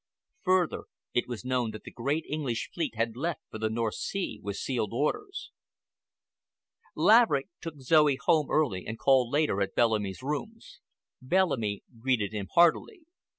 Further, it was known that the great English fleet had left for the North Sea with sealed orders. Laverick took Zoe home early and called later at Bellamy's rooms. Bellamy greeted him heartily.